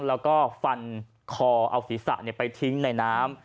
แล้วก็ฟันคอเอาศีรษะไปทิ้งในน้ำ